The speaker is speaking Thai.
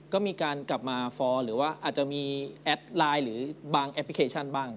ก็มีการกลับมาฟอร์หรือว่าอาจจะมีแอดไลน์หรือบางแอปพลิเคชันบ้าง